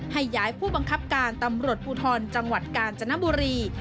ให้ย้ายผู้บังคับการตำรวจภูทรจังหวัดกาญจนบุรี